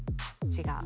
違う。